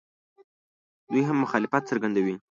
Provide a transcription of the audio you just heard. دوی هم مخالفت څرګندوي.